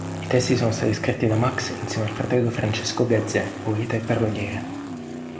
I testi sono scritti da Max insieme al fratello Francesco Gazzè, poeta e paroliere.